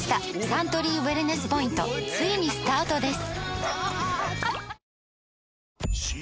サントリーウエルネスポイントついにスタートです！